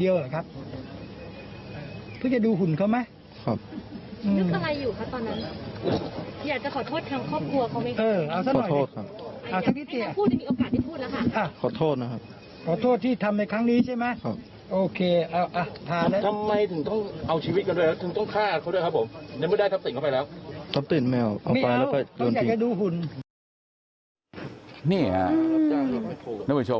นี่นักบุญชมคุณเขียนมาสอน